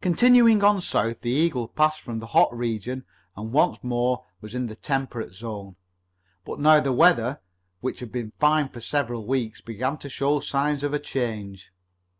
Continuing on south, the Eagle passed from the hot region, and once more was in the temperate zone. But now the weather, which had been fine for several weeks, began to show signs of a change.